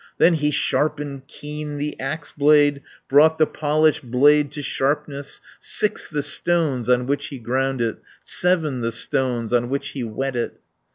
160 Then he sharpened keen the axe blade, Brought the polished blade to sharpness; Six the stones on which he ground it, Seven the stones on which he whet it.